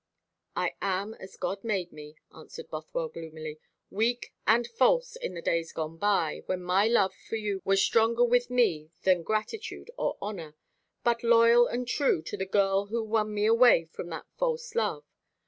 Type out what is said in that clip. "I am as God made me," answered Bothwell gloomily, "weak and false in the days gone by, when my love for you was stronger with me than gratitude or honour, but loyal and true to the girl who won me away from that false love.